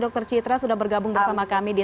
dr citra sudah bergabung bersama kami di